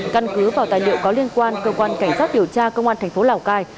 căn cứ vào tài liệu có liên quan cơ quan cảnh sát điều tra công an thành phố lào cai